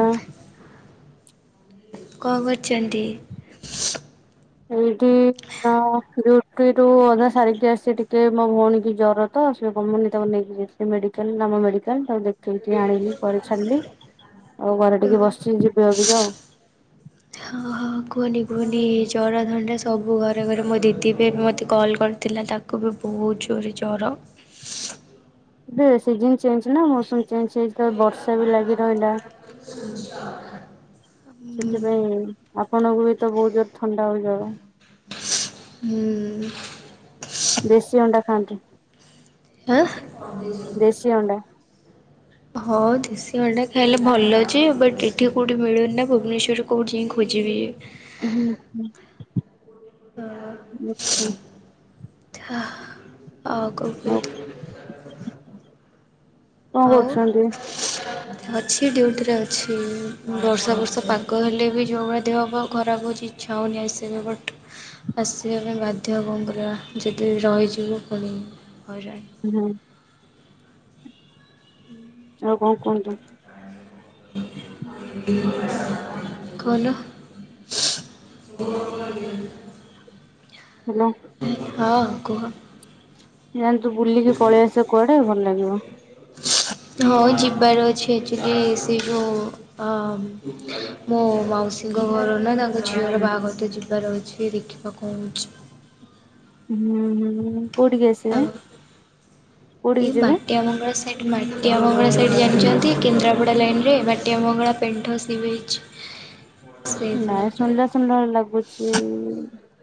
ଅଁ। କଣ କରୁଚନ୍ତି? ଏଇଠି ଆ ହଁ ଡ୍ୟୁଟି ରୁ ଅଧା ସାରିକି ଆସଚି ଟିକେ ମୋ ଭଉଣୀ କି ଜର ତ ସିଏ କମୁନି ତାକୁ ନେଇକି ଯିବି। ମେଡିକାଲ ନାମ ମେଡିକାଲ ତାକୁ ଦେଖିକି ଆଣିଲି ପରେ ଛାଡଲି। ଆଉ ଘରେ ଟିକେ ବସଚି ଯିବି ଅବିକା ଆଉ। ହଁ ହଁ କୁହନି କୁହନି ଏ ଜର ଥଣ୍ଡା ସବୁ ଘରେ ଘରେ ମୋ ଦିଦି ବି ଏବେ ମୋତେ କଲ୍ କରିଥିଲା ତାକ କୁ ବି ବହୁତ ଜୋରେ ଜର। ଏବେ ସିଜନ ଚେଞ୍ଜ ନା ମୌସୁମି ଚେଞ୍ଜ ହେଇଚି ତ ବର୍ଷା ବି ଲାଗି ରହିଲା। ସୂର୍ଯ୍ୟ। ସେଥିପାଇଁ ଆପଣଙ୍କୁ ବି ତ ବହୁତ ଜୋର ଥଣ୍ଡା [unintelligible] ହୁଁ। ଦେଶୀ ଅଣ୍ଡା ଖାଆନ୍ତୁ। ଆଁ? ଦେଶୀ ଅଣ୍ଡା। ହଁ ଦେଶୀ ଅଣ୍ଡା ଖାଇଲେ ଭଲ ଅଛି ବଟ୍ ଏଠି କେଉଁଠି ମିଳୁନି ନା ଭୁବନେଶ୍ୱରରେ କୋଉଠି ଯାଇ ଖୋଜିବି? ହୁଁ ଆଚ୍ଛା। ଆଉ କ ଆଉ [unintelligible] କଣ ଆଉ? କରୁଛନ୍ତି? ଅଛି ଡ୍ୟୁଟିରେ ଅଛି ବର୍ଷା ବର୍ଷା ପାଗ ହେଲେ ବି ଯେଉଭଳି ଦେହ ପା ଖରାପ ହେଉଛି ଇଚ୍ଛା ହଉନି ଆସିବେ ବଟ୍ ଆସିବା ପାଇଁ ବାଧ୍ୟ କଣ କରିବା ଯଦି ରହିଯିବ ପୁଣି ହଇରାଣ। ହୁଁ ଆଉ କଣ କୁହନ୍ତୁ। କଲ। ହ ହ୍ୟାଲୋ। ହଁ କୁହ। ଯାନ୍ତୁ ବୁଲିକି ପଳେଇଆସ କୁଆଡେ ଭଲ ଲାଗିବ। ହଁ ଯିବାର ଅଛି ଆକ୍ଚୁଲି ସେ ଯୋଉ ହଁ ମୋ ମାଉସୀଙ୍କ ଘର ନା ତାଙ୍କ ଝିଅର ବାହାଘର ତ ଯିବାର ଅଛି [unintelligible] [unintelligible] ହୁଁ ହୁଁ କୋଉଠିକି ଆସିବେ? ଆଉ ଏଇ କୋଉଠିକି ଯିବେ? ମାଟିଆ ବଙ୍ଗ ସେଇଠି ମାଟିଆ ମଙ୍ଗଳା ସାଇଟ୍ ଜାଣିଛନ୍ତି କେନ୍ଦ୍ରାପଡ଼ା ଲାଇନ ରେ ମାଟିଆ ମଙ୍ଗଳା ପେଣ୍ଠ ସି ବିଚ୍ ନାଇଁ ସେଇଥିରେ ଶୁଣିଲା ଶୁଣିଲା ଭଳିଆ ଲାଗୁଛି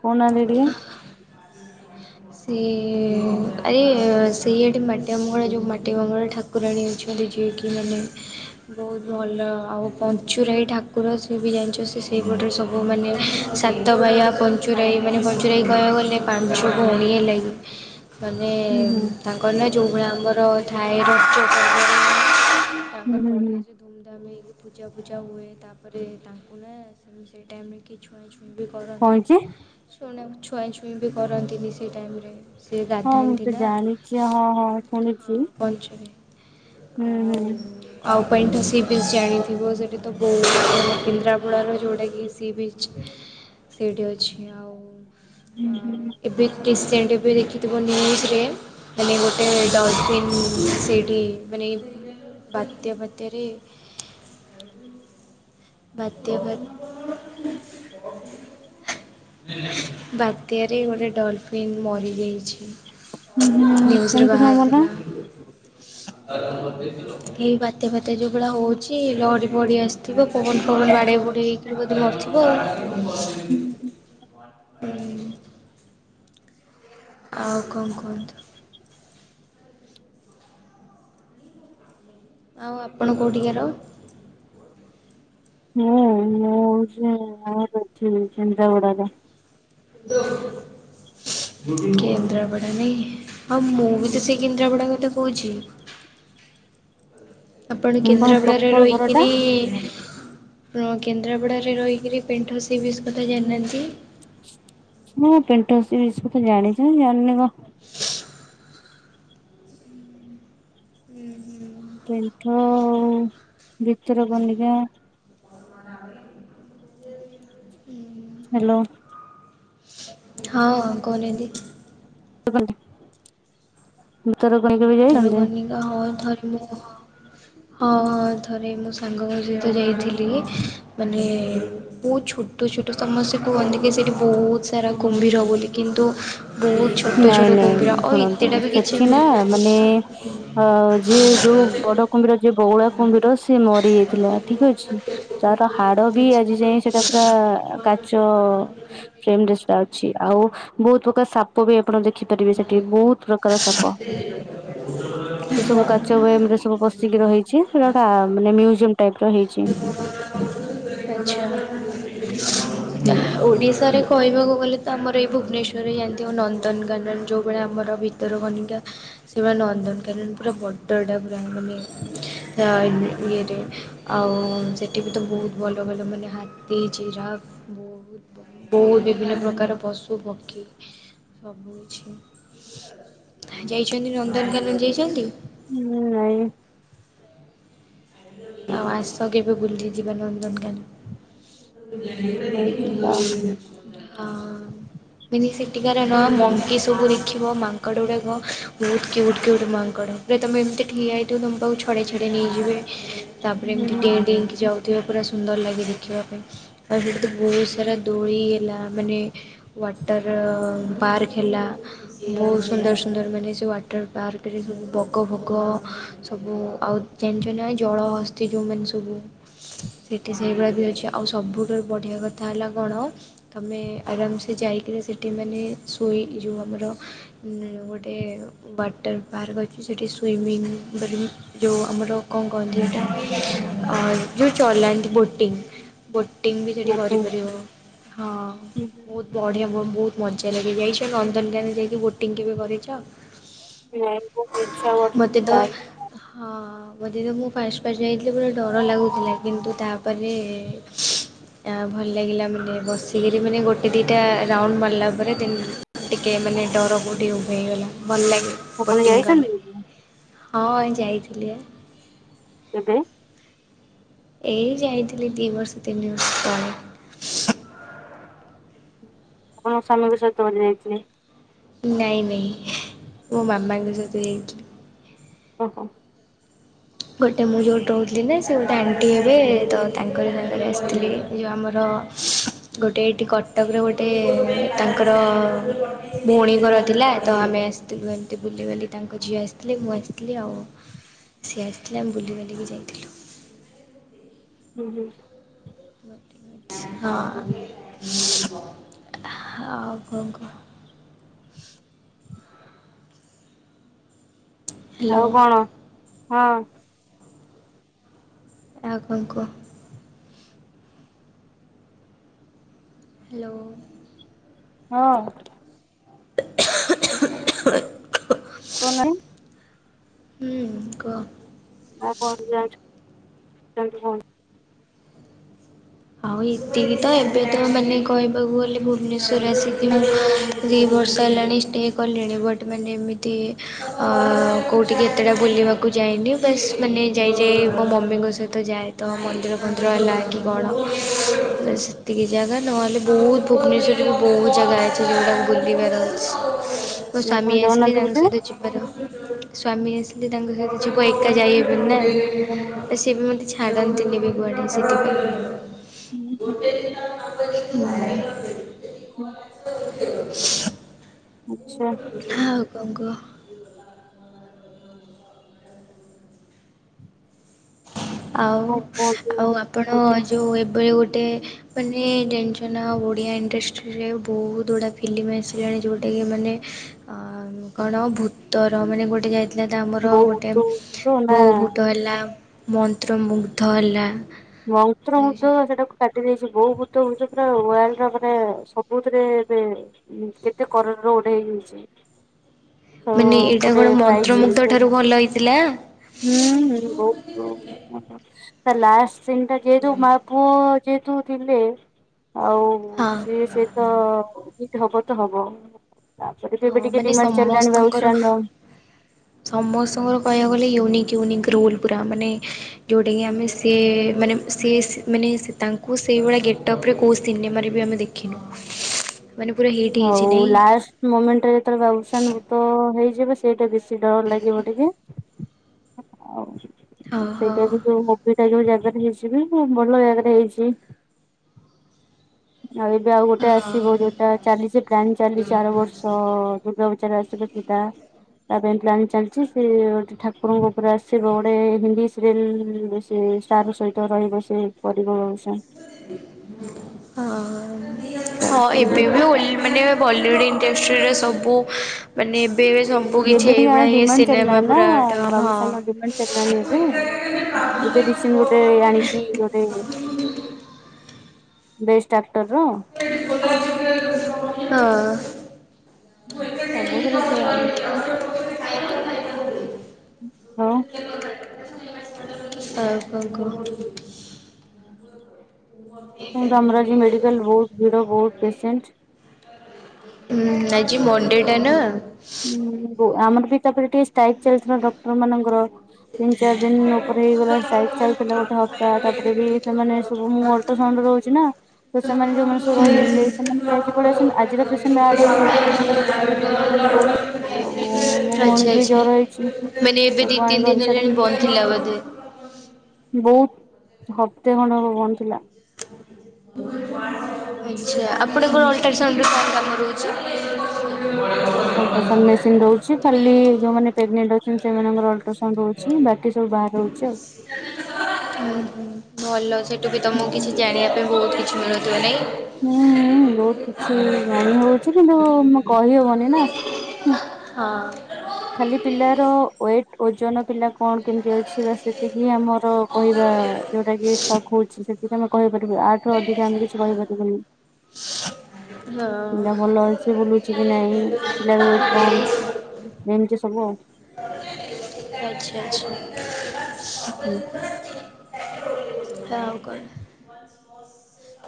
କହୁ ନାହାଁନ୍ତି ଟିକେ। ସିଏ ଆରେ ସେଇ ଏଠି ମାଟି ମଙ୍ଗଳା ଯେଉଁ ମାଟି ମଙ୍ଗଳା ଠାକୁରାଣୀ ଅଛନ୍ତି ଯିଏକି ମାନେ ବହୁତ ଭଲ ଆଉ ପଞ୍ଚୁରାଇ ଠାକୁର ସିଏ ବି ଜାଣିଛ ସେ ସେଇପଟରେ ସ ବୁ ମାନେ ସାତ ବାହ ପଞ୍ଚୁରାଇ ମାନେ ପଞ୍ଚୁରାଇ କହିବାକୁ ଗଲେ ପାଞ୍ଚ ପୁଣି ଲାଗି ମାନେ ହୁଁ ହୁଁ। ତା କନା ଯୋଉ ଭଳିଆ ଆମର ହୁଁ ହୁଁ ହୁଁ [unintelligible] ଧୁମଧାମ ହେକି ପୂଜା ଫୂଜା ହୁଏ ତାପରେ ତାଙ୍କୁ ନା ସେ ସେଇ ଟାଇମ୍ ରେ କି ଛୁଆଁ ଛୁଇଁ ବି କଣ କରନ୍ତିନି ହେଇଛି ଶୁଣ ଛୁଆଁ ଛୁଇଁ ବି କରନ୍ତିନି ସେଇ ଟାଇମ୍ ରେ। ହଁ ମୁଁ ତ ଜାଣିଛି ହଁ ହଁ ହଁ ଶୁଣିଛି। ପଞ୍ଚରେ ହୁଁ ହୁଁ। ଆଉ ଆଉ ପାଇଁ ତ ସି ବିଚ୍ ଜାଣିଥିବ ସେଇଟି ତ ବହୁତ କେନ୍ଦ୍ରାପଡ଼ାର ଯେଉଁଟାକି ସି ବିଚ୍ ସେଇଠି ଅଛି ଆଉ ହୁଁ ଏବେ ରିସେଣ୍ଟ ବି ଦେଖିଥିବ ନ୍ୟୁଜରେ ମାନେ ଗୋଟେ ଡଲଫିନ୍ ସେଇଠି ମାନେ ବାତ୍ୟା ବାତ୍ୟାରେ ବାତ୍ଯା ବାତ୍ୟାରେ ଗୋଟେ ଡଲଫିନ୍ ମରିଯାଇଛି। ହୁଁ ନ୍ୟୁଜରେ କେମିତି କଣ ଗଲା? ବାହାରଥିଲା କି ବାତ୍ଯା ଫା ଏ ଯଉଗୁଡା ହଉଚି ଲହଡି ପହଡି ଆସିଥିବ। ପବନ ଫବନ ବାଡେଇ ବୁଡେଇ ହେଇକିରି ବଧି ମରିଥିବ ଆଉ। ହୁଁ। ଆଉ କଣ୍ କୁହନ୍ତୁ? ଆଉ ଆପଣ କଉଠିକାର? ମୁଁ -ମୁଁ ହଉଚି। [unintelligible] କେନ୍ଦ୍ରାପଡା ନାଇ? ହଁ ମୁଁ ବି ତ ସେଇ କେନ୍ଦ୍ରାପଡା କଥା କହୁଚି। ଆପଣ ମୁଁ କଣ କେନ୍ଦ୍ରାପଡାରେ ପ୍ରପର ଘରଟା ରହିକିନି ଆପଣ କେନ୍ଦ୍ରାପଡାରେ ରହିକିରି ପେଣ୍ଠ ସି ବିଚ୍ କଥା ଜାଣିନାହାନ୍ତି। ମୁଁ ପେଣ୍ଠ ସି ବିଚ୍ କଥା ଜାଣିଚି ନା ଜାଣିନି କଣ୍। ହ ଉଁ- ହୁଁ। ପେଣ୍ଠ ଆଉ ଭିତରକନିକା। ହାଲୋ। ହଁ କହୁନାହାନ୍ତି। [inaudible] ଭିତରକନିକା ବି ଯାଇଛନ୍ତି? ଭିତରକନି ତ ହଁ ଥରେ ମୁଁ ହଁ -ହଁ ଥରେ ମୋ ସାଙ୍ଗଙ୍କ ସହିତ ଯାଇଥିଲି ଥିଲି ମାନେ ବହୁତ୍ ଛୋଟ ଛୋଟ ସମସ୍ତେ କୁହନ୍ତି କି ସେଇଠି ବହୁତ୍ ସାରା କୁମ୍ଭୀର ବୋଲି କିନ୍ତୁ ବହୁତ୍ ଛୋଟ ନାଇଁ ଛୋଟ କୁମ୍ଭୀର ନାଇଁ ଆଉ ଶୁଣନ୍ତୁ ଏତେଟା ବି କିଛି ବି ମାନେ ଆଉ ଯିଏ ଯଉ ବଡ କୁମ୍ଭୀର ଯିଏ ବଉଳା କୁମ୍ଭୀର ସିଏ ମରି ଯାଇଥିଲା ଠିକ୍ ଅଛି। ତାର ହାଡ ବି ଆଜି ଯାଏ ଆଚ୍ଛା ସେଟା ପୁରା କାଚ [unintelligible] ଅଛି ଆଉ ବହୁତ୍ ପ୍ରକାର ସାପ ବି ଆପଣ ଦେଖିପାରିବେ ସେଠି ବହୁତ ପ୍ରକାର ସାପ୍ ତ ସେସବୁ କାଚ୍ ସବୁ ଏମ୍ ରେ ସବୁ ପସିକି ରହିଚି ସେଇଟା ଗୋଟା ଆ-ମାନେ ମ୍ୟୁଜିୟମ୍ ଟାଇପ୍ ର ହେଇଚି। ଆଛା ହୁଁ। -ଓଡିଶାରେ କହିବାକୁ ଗଲେ ତ ଆମର ଏଇ ଭୁବନେଶ୍ୱରରେ ଜାଣିଥିବ ନନ୍ଦନକାନନ ଯଉ ଭଳିଆ ଆମର ଭିତରକନିକା ସେମାନେ ନନ୍ଦନକାନନ ପୁରା ବଡ ଟା ପୁରା ମାନେ ଆ-ଇଏରେ ଆଉ ସେଠି ବି ତ ବହୁତ୍ ଭଲ ଭଲ ମାନେ ହାତୀ, ଜଇରଆଫ୍ ବୁ ବହୁତ୍ ବିଭିନ୍ନ ପ୍ରକାର ପଶୁ ପକ୍ଷୀ ସବୁ କିଛି ଯାଇଚନ୍ତି ନନ୍ଦନକାନନ୍ ଯାଇଚନ୍ତି? ମୁଁ ନାଇ। ଆଉ ଆସ କେବେ ବୁଲି ଯିବା ନନ୍ଦନକାନ ହଉ ଯିବା। ଆଉ। [unintelligible] ସେଠିକାର ନା ମଙ୍କି ସବୁ ଦେଖିବ ମାଙ୍କଡ ଗୁଡାକ ବହୁତ୍ କ୍ୟୁଟ୍ କ୍ୟୁଟ୍ ମାଙ୍କଡ। ରେ ତମେ ଏମିତି ଠିଆ ହେଇଥିବ ତମ ପାଖୁ ଛଡେଇ ଛଡେଇ ନେଇଯିବେ। ତାପରେ ହୁଁ ଏମିତି ହୁଁ ଡେଇଁ ଡେଇଁକି ଯାଉଥିବେ ପୁରା ସୁନ୍ଦର୍ ଲାଗେ ଦେଖିବା ପାଇଁ। ଆଉ ସେଠି ତ ବହୁତ୍ ସାରା ଦୋଳି ହେଲା ମାନେ ୱାଟର ପାର୍କ ହେଲା ବହୁତ୍ ସୁନ୍ଦର୍ ସୁନ୍ଦର୍ ମାନେ ସେ ୱାଟର୍ ପାର୍କରେ ସବୁ ବଗ ଫଗ ସବୁ ଆଉ ଜାଣିଚ ନା ଜଳହସ୍ତି ଯଉମାନେ ସବୁ ସେଠି ସେଇଭଳି ବି ଅଛି ଆ ଆଉ ସବୁଠାରୁ ବଢ଼ିଆ କଥା ହେଲା କଣ? ତମେ ଆରାମ୍‌ ସେ ଯାଇକିରି ସେଠି ମାନେ ଶୋଇ ଯୋଉ ଆମର ମାନେ ଗୋଟେ ୱାଟର୍ ପାର୍କ ଅଛି ସେଠି ସୁଇମିଂ [unintelligible] ଯୋଉ ଆମର କଣ କହନ୍ତି ହେଟା ଅ ଯୋଉ ଚଲାନ୍ତି ବୋଟିଂଙ୍ଗ୍। ବୋଟିଂଙ୍ଗ ବି ସେଠି ଗୋଟେ ନାଇଁ କରିପାରିବ, ହଁ ବହୁତ୍। ବଢିଆ ବ ବହୁତ ମଜା ଲାଗେ ଯାଇଛ ନନ୍ଦନକାନନ ଯାଇକି ବୋଟିଂଙ୍ଗ କେବେ କରିଚ? ନାଇଁ ବହୁତ ଇଚ୍ଛା କରୁଛି ମୋତେ କିନ୍ତୁ ତ ଯାଇନେଇ। ହଁ ବୋଧେ ତ ମୁଁ ଫାଷ୍ଟ ଫାଷ୍ଟ ଯାଇଥିଲି ପୁରା ଡ଼ର ଲାଗୁଥିଲା କିନ୍ତୁ ତାପରେ ହ ଆଁ ଭଲ ଲାଗିଲା ମାନେ ବସିକିରି ମାନେ ଗୋଟେ ଦିଇଟା ରାଉଣ୍ଡ ମାରିଲା ପରେ ଦେନ୍। ଟିକେ ମାନେ ଡ଼ର କୋଉଠି ଉଭେଇଗଲା ଭଲ ଲାଗେ। ଆପଣ ବୋଟିଂଙ୍ଗ ଯାଇଛନ୍ତି କଲେ, ହଁ ଯାଇଥିଲି ବା। ତୋ ବୋଉ? ଏଇ ଯାଇଥିଲି ଦି ବର୍ଷ ତିନି ବର୍ଷ ତଳେ। ହଁ ମୋ ସ୍ୱାମୀ ବି ସେତଳେ ଯାଇଥିଲେ। ନାଇଁ ନାଇ ମୋ ମାମାଙ୍କ ସହିତ ଯାଇଥିଲି। ଓହୋ। ଗୋଟେ ମୁଁ ଯୋଉଠି ରହୁଥିଲି ନା ସେ ଗୋଟେ ଆଣ୍ଟି ହେବେ ତ ତାଙ୍କରି ସାଙ୍ଗରେ ଆସିଥିଲି। ଏ ଯୋଉ ଆମର ଗୋଟେ ଏଇଠି କ ଟକରେ ଗୋଟେ ତାଙ୍କର ଭଉଣୀ ଘର ଥିଲା ତ ଆମେ ଆସିଥିଲୁ ଏମତି ବୁଲିବାଲି। ତାଙ୍କ ଝିଅ ଆସିଥିଲେ, ମୁଁ ଆସିଥିଲି, ଆଉ ସିଏ ଆସିଥିଲେ ଆମେ ବୁଲିବାଲିକି ଯାଇଥିଲୁ। ହୁଁ, ହୁଁ। ହଁ, ହଁ ଆଉ କଣ କହ? ହ୍ୟାଲୋ ଆଉ କଣ? ହଁ ଆଉ କଣ କୁହ? ହ୍ୟାଲୋ। ହଁ [inaudible] କଣ ନାହିଁ? ହୁଁ କୁହ। [unintelligible] ଆଉ ଏତିକି ତ ଏବେ ତ ମାନେ କହିବାକୁ ଗଲେ ଭୁବନେଶ୍ୱର ଆସିକିନା ଦି ବର୍ଷ ହେଲାଣି ଷ୍ଟେ କଲିଣି ବଟ୍ ମାନେ ଏମିତି ଅଁ କୋଉଠି କେତେଟା ବୁଲିବାକୁ ଯାଇନି ବାସ୍ ମାନେ ଯାଇଯାଇ ମୋ ମମିଙ୍କ ସହିତ ଯାଏ। ତ ମନ୍ଦିର ଫନ୍ଦିର ହେଲା କି କଣ? ହ ବାସ୍ ସେତିକି ଜାଗା, ନହେଲେ ବହୁତ ଭୁବନେଶ୍ୱରରେ ମୁ ବହୁତ୍ ଜାଗା ଯାଇଛି ଯୋଉଗୁଡ଼ାକ ବୁଲିବାର ଅଛି। ହ ତୋ ସ୍ୱାମୀ ଆସିଲେ ତାଙ୍କ ସହିତ ଯିବୁ। ହ୍ୟାଲୋ, ସ୍ଵାମୀ ଆସିଲେ ତାଙ୍କ ସହିତ ଯିବ ଏକା ଯାଇହବନି ନା, ସିଏ ବି ମତେ ଛା ଛାଡ଼ନନ୍ତିନି ବି କୁଆଡ଼େ [unintelligible] ହୁଁ, ହୁଁ। [unintelligible] ହୁଁ [inaudible] ଆଛା। ଆଉ କଣ କୁହ। ଆଉ। କଣ କୁହନ୍ତୁ ଆଉ ଆପଣ ଜଉ ଏବେ ଗୋଟେ। ମାନେ ଜାଣିଚନା ଓଡ଼ିଆ ଇଣ୍ଡଷ୍ଟ୍ରିରେ ବହୁତ୍‌ ଗୁଡ଼ା ଫିଲ୍ମ ଆସିଲାଣି ଯେଉଁଟାକି ମାନେ। ହ୍ୟାଲେ।।। କଣ ଭୂତର ମାନେ ଗୋଟେ ଯାଇଥିଲା ତ ଆମର ବୋଉ ଗୋଟେ ଭୂତ ଭୂତ ନା ବୋଉ ଭୁତ ହେଲା। ମନ୍ତ୍ରମୁଗ୍ଧ ହେଲା। ଦେଖିଛ ମନ୍ତ୍ରମୁଗ୍ଧ ନା ସେଟାକୁ କାଟ। ସେ ବୋଉ ବୁଟୁ ଭୁତ ପୁରା ୱାଲ୍ଡର ମାନେ ସବୁଥିରେ ଏବେ। ହଁ କେତେ କରୋଡ଼ ଗୋଟେ ହେଇଯାଇଛି। ତ ମାନେ ଏଇଟା ଗୋଟେ କଣ ପାଇଛି ମନ୍ତ୍ରମୁଗ୍ଧ ସେ ଠାରୁ ଭଲ ହେଇଥିଲା?। ହୁଁ ହଁ ବହୁତ ତା ଲାଷ୍ଟ୍ ସିନ୍ ଟା ଯେହେତୁ ମା। ପୁଅ ଯେହେତୁ ଥିଲେ ଆଉ ହଁ ସିଏ ସେ। ତ ହିଟ୍ ହବ ତ ହବ। ତାପରେ ବି ଏବେ ହଁ ଟିକେ ମାନେ ଡିମାଣ୍ଡ୍ ଚାଲିଲାଣି ସମସ୍ତଙ୍କର ବାବୁସାନ୍ ର। ସମସ୍ତଙ୍କର କହିଆକୁ ଗଲେ ୟୁନିକ୍ ୟୁନିକ୍ ରୋଲ ପୁରା ମାନେ। ଯୋଉଟା କି ଆମେ ସେ। ମାନେ ସେ। ମାନେ ତାଙ୍କୁ ସେଇଭଳିଆ ଗେଟପ୍ ରେ କୋଉ। ସିନେମାରେ ବି ଆମେ ଦେଖିନୁ। ମାନେ ପୁରା ହି। ହଉ ଲାଷ୍ଟ୍। ଲାଷ୍ଟ ମୋମେଣ୍ଟରେ ଯେତେବେଳେ ବାବୁସାନ୍ ଭୂତ ହେଇଯିବ ସେଇଟା ବେଶୀ ଡର ଲାଗିବ ଟିକେ। ଆଉ ହଁ ହଁ ସେଇଟା ବି ଯୋଉ ମୋ। ଦୁଇଟା ଯୋଉ ଜାଗାରେ ହେଇଛିିଵି ଭଲ ଜାଗାାରେ ହେଇଛି। ଆଉ ଏବେ ଆଉ ଗୋଟେ ହଁ। ଆସିବ ଯୋଉଟା ଚାଲିଛି ପ୍ଲାନିଂ ଚାଲିଛି ଆର ବର୍ଷ। ଦୁର୍ଗାପୂଜାରେ ଆସିବ ସେଇଟା। ତା ପାଇଁ ପ୍ଲାନିଂ ଚାଲଛି ସେ ଗୋଟେ ଠାକୁରଙ୍କ ଉପରେ ଆସିବ ଗୋଟେ ହିନ୍ଦୀ ସିରିଏଲ। ସେ ସାରୁ ସହିତ ରହିବ ସେ ପରିବା। ହଁ। ହଁ ଚାଲିଛି ଏବେ ବି ଓଲିଉଡ। ବଲିଉଡ୍ ଇଣ୍ଡଷ୍ଟ୍ରିରେ ସବୁ। ମାନେ ଏବେ ଏବେ ସବୁ ଏବେ ଟିକେ କିଛିଏଇଭଳିଆ ହିଁ ଡିମାଣ୍ଡ ସିନେମା ଚାଲିଲାଣି ନା ପୁରା ଟମ୍ ହଁ। ବାବୁସାନ୍ ର ଡିମାଣ୍ଡ ଚାଲିଲାଣି ଏବେ। ଏବେ ରିସେଣ୍ଟ ଗୋଟେ ଆଣିଛି ଗୋଟେ। Best actor. ହଁ। ସବୁଥେରେ ସେ ଆଣୁଚି। ହଁ। ଆଉ କଣ କହ। ହଁ। ହଁ ତ ଆମର ଆଜି ମେଡିକାଲ୍ ବହୁତ୍ ଭିଡ ବହୁତ୍ ପେସେଣ୍ଟ୍। ହଁ ଆଜି ମନଣ୍ଡେ ଟା ନା। ହଁ ଆମର ବି ତାପରେ ଟିକେ ଷ୍ଟାଇକ୍ ଚାଲିଥିଲା ଡକ୍ଟର୍ ମାନଙ୍କର। ତିନ ଚାର ଦିନ ଉପରେ ହେଇଗଲା ଷ୍ଟ୍ରାଇକ୍ ଚାଲୁଥିଲା ଗୋଟେ ହପ୍ତା ତାପରେ ବି ସେମାନେ ସବୁ ମଲ। ତ ସନଣ୍ଡେ ରହୁଛି ନା। ତ ସେମାନେ ଯୋଉମାନେ ସବୁ ରହିଯାଇଥିଲେ ସେମାନେ ଯାଇକି ପଳେଇଆସିଲେ ଆଜିର ପେସେଣ୍ଟ ଆଡ୍ ହେଇଗଲେ। ଆରେ ବୋଉ ମୋ ଆଚ୍ଛା ଭଉଣୀକୁ ବି ଆଚ୍ଛା ଜର ହେଇଛି। ମାନେ ଏବେ ତାକୁ ଦିଇ ଆଣି ତିନ ଘରେ ଦିନ ହେଲାଣି ଛାଡିକି ବନ୍ଦ ଥିଲା ବୋଧେ। ବହୁତ୍ ହପ୍ତେ ଖଣ୍ଡେ ହବ ଥିଲା। ଆଚ୍ଛା ଆପଣଙ୍କର ଅଲଟ୍ରାସାଉଣ୍ଡ୍ [unintelligible] ରହୁଛି? ଅଲଟ୍ରାସାଉଣ୍ଡ୍ ମେସିନ୍ ରହୁଛି ଖାଲି ଯୋଉମାନେ ପେଗ୍ ନେଟ୍ ଅଛନ୍ତି ସେମାନଙ୍କର ଅଲଟ୍ରାସାଉଣ୍ଡ ହଉ ଚି ବାକି ସବୁ ବାହାରେ ହୋଉଛି ଆଉ ହଁ ଭଲ ସେଇଠୁ ବି ତମକୁ ଆଉ। କିଛି ଜାଣିବା ପା ବହୁତ କିଛି ମିଳୁଥିବ ନାଇ? ହୁଁ -ହୁଁ ବହୁତ କିଛି ଜାଣି ହୋଉଛି କିନ୍ତୁ ମ କହିହବନି ନା ହୁଁ ହଁ। ଖାଲି ପିଲାର ୱେଟ୍ ଓଜନ ପିଲାକୁ କଣ କେମିତି ଅଛି ବାସ୍ ସେତିକି ଆମର କହିବା ଯୋଉଟା କି ଶକ୍ ହୋଉଛି ସେ ଏଠି ଆମେ କହିପାରିବୁ ଆଠୁ ଅଧିକା ଆମେ କିଛି କହିପାରିବୁନି। ହଁ। ପିଲା ଭଲ ଅଛି ବୁଲୁଛି କି ନାଇଁ ପିଲାର ୱେଟ୍ କଣ? ଏମିତି ସବୁ ଆଉ। ଆଚ୍ଛା, ଆଉ। ଆଚ୍ଛା। ଆଉ କଣ?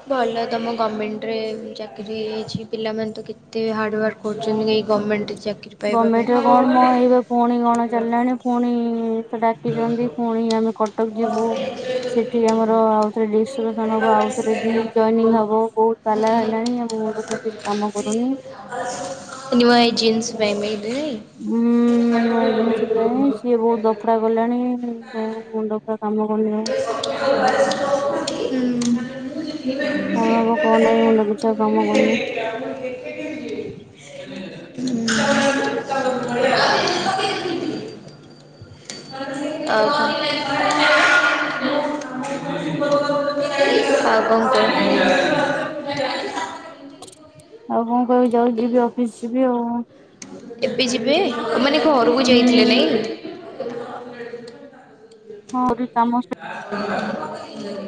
ଭଲ ତମ ଗଭର୍ଣ୍ଣମେଣ୍ଟରେ ଚାକିରି ହେଇଯାଇଛି ପିଲାମାନେ ତ କେତେ ହାର୍ଡ଼ୱାର୍କ। କରୁଛନ୍ତିାଏଇ ଗଭର୍ଣ୍ଣମେଣ୍ଟ ଚା ଗଭର୍ଣ୍ଣମେଣ୍ଟରେ କଣ ମ ଏଇ ବା ପୁଣି କଣ ଚାଲିଲାଣି ପୁଣି ସେ ଡାକିଛନ୍ତି, ପୁଣି ଆମେ କଟକ ଯିବୁ। ସେଠି ଆମର ଆଉଥରେ ଡିସ୍କସନ୍ ହବ ଆଉ ଥରେ ରିଜ୍ ଯଇନିଙ୍ଗ୍ ହବୁ ବହୁ ପାଲା ହେଲାଣି ଆମ ମୁଣ୍ଡ ସବୁ କିଛି କାମ କରୁନି। ନିୱ ଏ ଜିନ୍ସ୍ [unintelligible] ଦେଇ। ହୁଁ -ଉଁ -ଉଁ -ଉ-ମୋ ଏଜେନ୍ସି ପାଇଁ ସିଏ ବୋହୁତ୍ ଲଫଡା କଲାଣି, ମୋ ମୁଣ୍ଡ କାମ କାମ କରୁନି ଆଉ। ହୁଁମ୍। କଣ ହବ କଣ ନାହିଁ ମୁଣ୍ଡ କିଛି ଆଉ କାମ କରୁନି। [unintelligible] ହୁଁ ଉଁ। ଆଉ [unintelligible] ଆଉ କଣ କୁହ। ଆଉ କଣ କହିବି ଯାଉ ଯିବି ଅଫିସ୍ ଯିବି ଆଉ। ଏବେ ଯିବେ ତା ମାନେ ଘରକୁ ହୁଁ ହୁଁ ଯାଇଥିଲେ ନାଇଁ? ହଁ କାମ [inaudible]